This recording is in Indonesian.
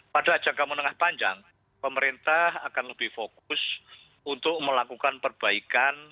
pada jangka menengah panjang pemerintah akan lebih fokus untuk melakukan perbaikan